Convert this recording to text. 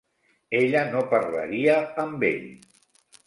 Ella no parlaria amb ell!!!